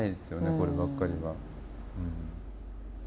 こればっかりは。